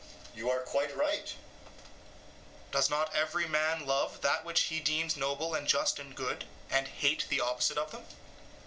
EUTHYPHRO: You are quite right. SOCRATES: Does not every man love that which he deems noble and just and good, and hate the opposite of them?